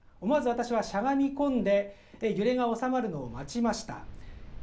思わず私はしゃがみ込んで揺れが収まるのを待ちました。